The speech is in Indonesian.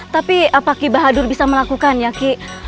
tapi apa ki bahadur bisa melakukannya ki